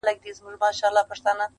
• منصوري کریږه یم له داره وځم..